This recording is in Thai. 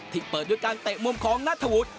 ที่เปิดด้วยการเตะมุมของนัทธวุฒิ